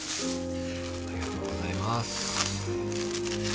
ありがとうございます。